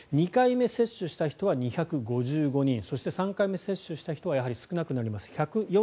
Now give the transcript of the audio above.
２回目接種した人は２５５人そして３回目接種した人はやはり少なくなります。